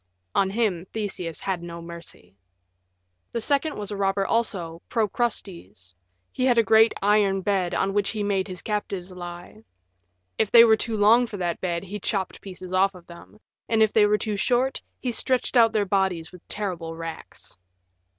On him Theseus had no mercy. The second was a robber also, Procrustes: he had a great iron bed on which he made his captives lie; if they were too long for that bed he chopped pieces off them, and if they were too short he stretched out their bodies with terrible racks.